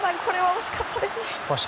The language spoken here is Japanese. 惜しかったですね。